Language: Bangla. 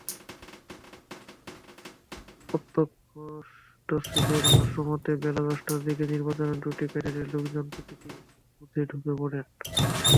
প্রত্যক্ষদর্শীদের ভাষ্যমতে, বেলা দশটার দিকে নির্বাচনের দুটি প্যানেলের লোকজন প্রতিটি বুথে ঢুকে পড়েন।